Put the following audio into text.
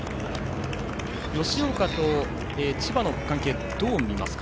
吉岡と千葉の関係はどう見ていますか？